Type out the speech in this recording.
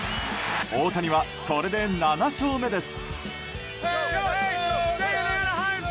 大谷は、これで７勝目です。